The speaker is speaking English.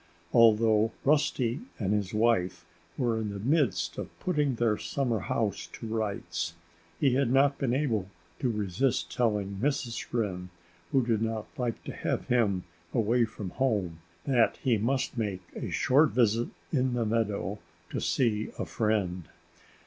Although Rusty and his wife were in the midst of putting their summer house to rights, he had not been able to resist telling Mrs. Wren, who did not like to have him away from home, that he must make a short visit in the meadow, "to see a friend."